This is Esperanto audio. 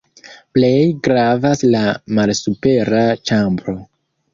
Plej gravas la malsupera ĉambro.